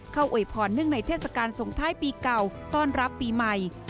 โอยพรเนื่องในเทศกาลสงท้ายปีเก่าต้อนรับปีใหม่